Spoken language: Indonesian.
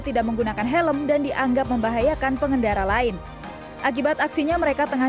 tidak menggunakan helm dan dianggap membahayakan pengendara lain akibat aksinya mereka tengah